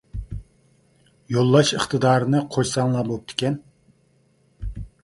يوللاش ئىقتىدارىنى قوشساڭلار بوپتىكەن.